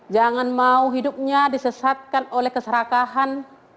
jangan mau hidupnya disesatkan oleh keserakahan